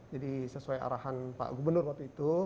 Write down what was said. jadi sesuai arahan pak gubernur waktu itu